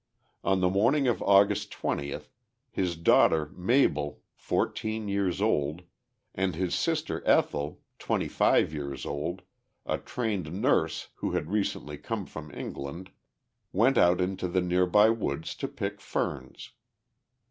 On the morning of August 20th his daughter Mabel, fourteen years old, and his sister Ethel, twenty five years old, a trained nurse who had recently come from England, went out into the nearby woods to pick ferns.